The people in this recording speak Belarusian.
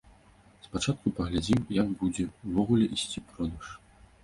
Спачатку паглядзім, як будзе ўвогуле ісці продаж.